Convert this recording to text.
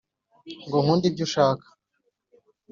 Ngo nkunde ibyo ushaka.